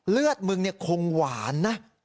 เลือดมึงเนี่ยคงหวานนะ